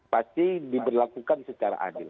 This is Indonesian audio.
pasti diberlakukan secara adil